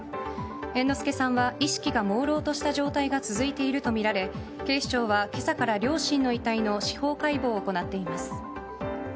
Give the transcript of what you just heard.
猿之助さんは意識がもうろうとした状態が続いているとみられ警視庁は今朝から両親の遺体の司法解剖を行っています。